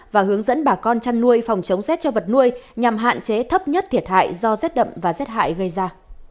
và hướng dẫn bà con chăn nuôi phòng chống rét cho vật nuôi nhằm hạn chế thấp nhất thiệt hại do rét đậm và rét hại gây ra